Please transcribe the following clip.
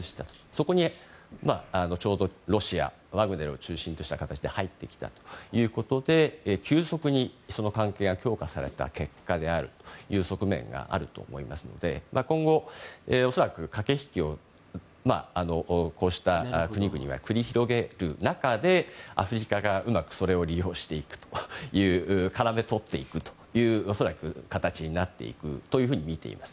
そこにちょうど、ロシアがワグネルを中心とした形で入ってきたということで急速にその関係が強化された結果であるという側面があると思いますので今後恐らく駆け引きをした国々は繰り広げる中でアフリカがうまくそれを利用していく恐らく絡め取っていくという形になっていくとみています。